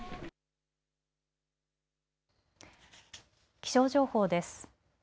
気象情報です。